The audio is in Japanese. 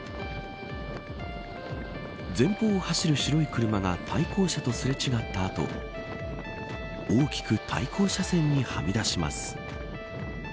前方を走る白い車が対向車とすれ違った後大きく対向車線にはみ出します。